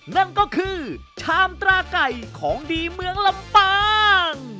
นั่นก็คือชามตราไก่ของดีเมืองลำปาง